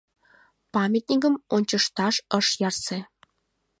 Памятникым ончышташ ыш ярсе.